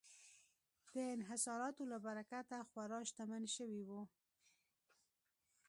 د انحصاراتو له برکته خورا شتمن شوي وو.